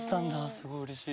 すごいうれしい。